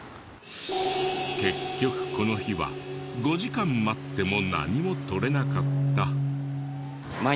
結局この日は５時間待っても何も撮れなかった。